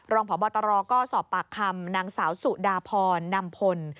รองพบตรก็สอบปากคำนางสาวสุดาพรนำพล